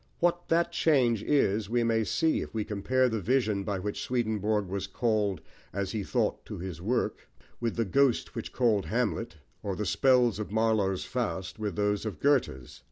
What that change is we may see if we compare the vision by which Swedenborg was "called," as he thought, to his work, with the ghost which called Hamlet, or the spells of Marlowe's Faust with those of Goethe's.